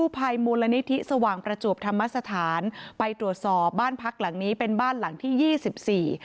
ไปตรวจสอบบ้านพรรคหลังนี้เป็นบ้านหลังที่๒๔